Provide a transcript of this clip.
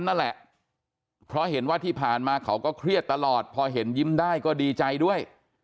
นั่นแหละเพราะเห็นว่าที่ผ่านมาเขาก็เครียดตลอดพอเห็นยิ้มได้ก็ดีใจด้วย